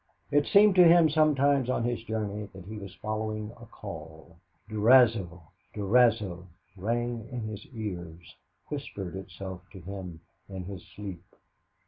It seemed to him sometimes on his journey that he was following a call. "Durazzo! Durazzo!" rang in his ears, whispered itself to him in his sleep.